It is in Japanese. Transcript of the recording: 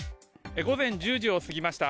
午前１０時を過ぎました。